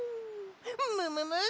むむむ！？